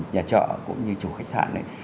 nhà trọ cũng như chủ khách sạn